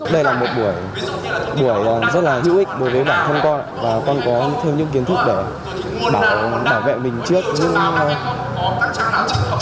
đây là một buổi buổi rất là hữu ích đối với bản thân con và con có thêm những kiến thức để bảo vệ mình trước những